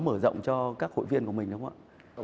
mở rộng cho các hội viên của mình đúng không ạ